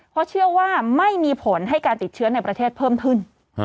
เพราะเชื่อว่าไม่มีผลให้การติดเชื้อในประเทศเพิ่มขึ้น